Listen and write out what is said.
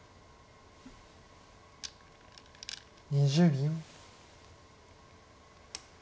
２０秒。